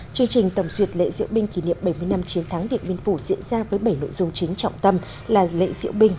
chương trình tổng duyệt lễ diễu binh kỷ niệm bảy mươi năm chiến thắng điện biên phủ diễn ra với bảy nội dung chính trọng tâm là lễ diễu binh